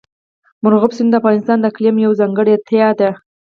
مورغاب سیند د افغانستان د اقلیم یوه ځانګړتیا ده.